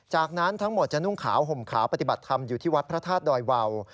จากนั้นทั้งหมดจะนุ่งขาวห่มขาวปฏิบัติธรรมอยู่ที่วัดพระธาตุดอยวาว